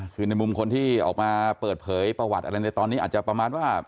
คือในมุมคนที่ออกมาเปิดเผยประวัติอะไรในตอนนี้อาจจะประมาณว่า